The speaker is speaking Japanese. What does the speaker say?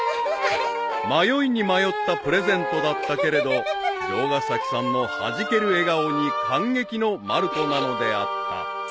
［迷いに迷ったプレゼントだったけれど城ヶ崎さんのはじける笑顔にカンゲキのまる子なのであった］